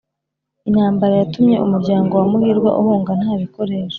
intambara yatumye umuryango wa muhirwa uhunga nta bikoresho